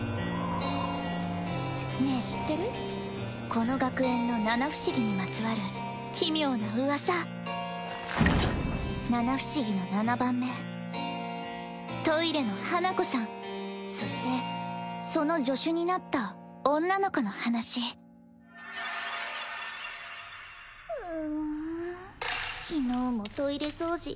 この学園の七不思議にまつわる奇妙な噂・七不思議の七番目トイレの花子さんそしてその助手になった女の子の話うう昨日もトイレ掃除